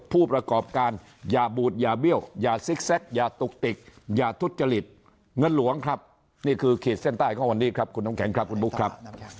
ผู้ประกอบการอย่าบูดอย่าเบี้ยวอย่าซิกแก๊กอย่าตุกติกอย่าทุจริตเงินหลวงครับนี่คือขีดเส้นใต้ของวันนี้ครับคุณน้ำแข็งครับคุณบุ๊คครับ